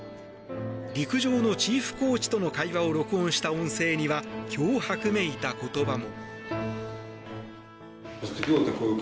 陸上のチーフコーチとの会話を録音した音声には脅迫めいた言葉も。